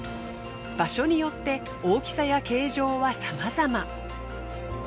場所によって大きさや形状はさまざま。